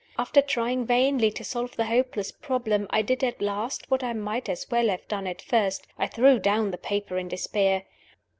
After trying vainly to solve the hopeless problem, I did at last what I might as well have done at first I threw down the paper in despair.